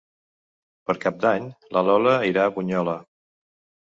Per Cap d'Any na Lola irà a Bunyola.